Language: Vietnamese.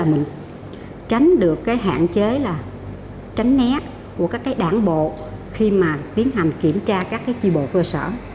mình tránh được cái hạn chế là tránh nét của các cái đảng bộ khi mà tiến hành kiểm tra các cái chi bộ cơ sở